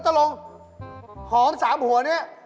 ตรงหอม๓หัวนี้